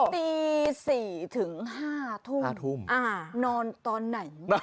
ตี๔ถึง๕ทุ่ม๕ทุ่มนอนตอนไหน